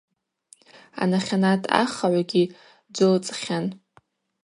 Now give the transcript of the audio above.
Анахьанат ахыгӏвгьи джвылцӏхьан.